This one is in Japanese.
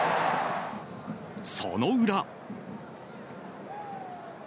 その裏。